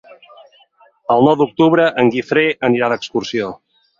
El nou d'octubre en Guifré anirà d'excursió.